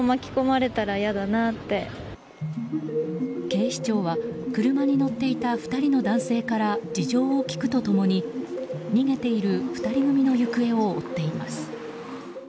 警視庁は車に乗っていた２人の男性から事情を聴くと共に逃げている２人組の行方を追っています。